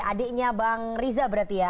adiknya bang riza berarti ya